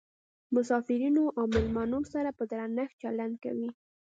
مسافرینو او میلمنو سره په درنښت چلند کوي.